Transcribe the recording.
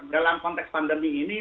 dalam konteks pandemi ini